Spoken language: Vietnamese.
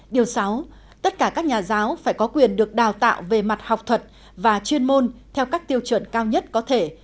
điều sáu tất cả các nhà giáo phải có quyền được đào tạo về mặt học thuật và chuyên môn theo các tiêu chuẩn cao nhất có thể